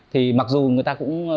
thì mặc dù người ta cũng vẫn